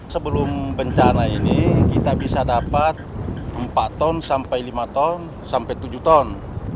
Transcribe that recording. sebelum bencana ini kita bisa dapat empat ton sampai lima ton sampai tujuh ton